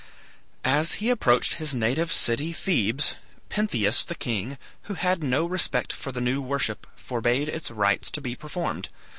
As he approached his native city Thebes, Pentheus the king, who had no respect for the new worship, forbade its rites to be performed.